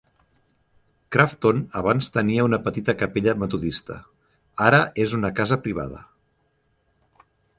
Crafton abans tenia una petita capella metodista. Ara és una casa privada.